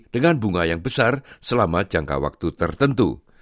dengan bunga yang besar selama jangka waktu tertentu